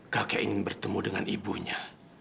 kakek ingin bertemu dengan ibunya